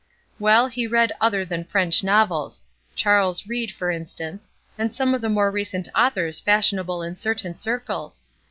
Well, he read other than French novels; Charles Reade, for instance, and some of the more recent authors fashionable in certain circles.